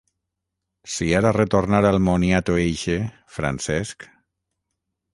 Si ara retornara el moniato eixe, Francesc.